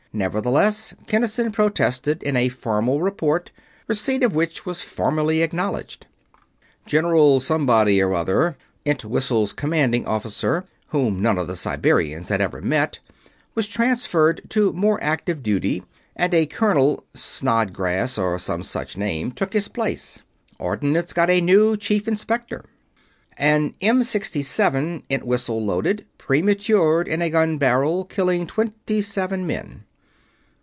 Nevertheless, Kinnison protested, in a formal report, receipt of which was formally acknowledged. General Somebody or other, Entwhistle's Commanding Officer, whom none of the Siberians had ever met, was transferred to more active duty, and a colonel Snodgrass or some such name took his place. Ordnance got a new Chief Inspector. An M67, Entwhistle loaded, prematured in a gun barrel, killing twenty seven men.